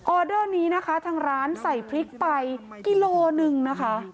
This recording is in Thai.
เดอร์นี้นะคะทางร้านใส่พริกไปกิโลหนึ่งนะคะ